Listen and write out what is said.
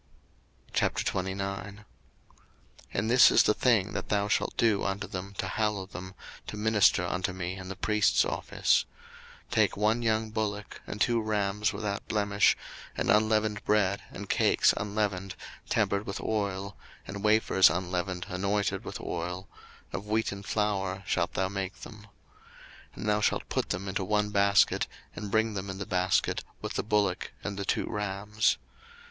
02:029:001 And this is the thing that thou shalt do unto them to hallow them, to minister unto me in the priest's office: Take one young bullock, and two rams without blemish, 02:029:002 And unleavened bread, and cakes unleavened tempered with oil, and wafers unleavened anointed with oil: of wheaten flour shalt thou make them. 02:029:003 And thou shalt put them into one basket, and bring them in the basket, with the bullock and the two rams.